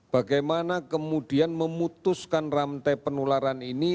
bagaimana kemudian memutuskan rantai penularan ini